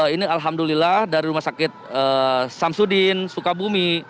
ini alhamdulillah dari rumah sakit samsudin sukabumi